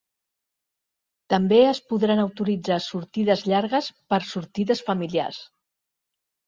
També es podran autoritzar sortides llargues per a sortides familiars.